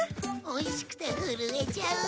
おいしくて震えちゃう！